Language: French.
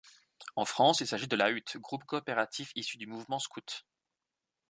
En France, il s'agit de La Hutte, groupe coopératif issu du mouvement scout.